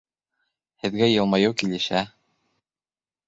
Һеҙгә йылмайыу килешә